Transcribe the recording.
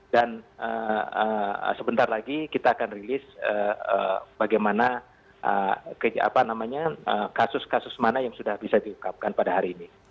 dan sebentar lagi kita akan rilis bagaimana kasus kasus mana yang sudah bisa diukapkan pada hari ini